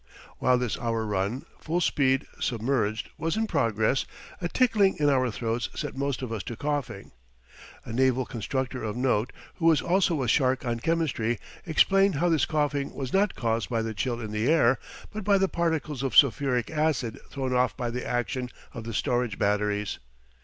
While this hour run full speed, submerged was in progress, a tickling in our throats set most of us to coughing. A naval constructor of note, who was also a shark on chemistry, explained how this coughing was not caused by the chill in the air, but by the particles of sulphuric acid thrown off by the action of the storage batteries.